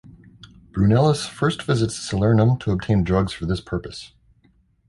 Brunellus first visits Salernum to obtain drugs for this purpose.